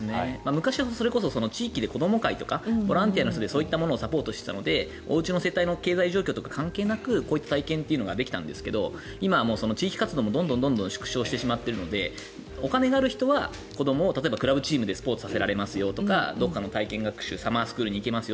昔はそれこそ地域でボランティアとかボランティアの人でそういうのをサポートしていたのでおうちの経済環境とか関係なくこういう体験ができたんですが今は地域活動もどんどん縮小しているのでお金がある人は子どもを例えばクラブチームでスポーツさせられますよとかどこかの体験学習サマースクールに行きます